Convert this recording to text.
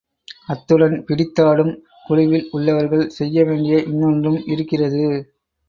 அத்துடன், பிடித்தாடும் குழுவில் உள்ளவர்கள் செய்ய வேண்டிய இன்னொன்றும் இருக்கிறது.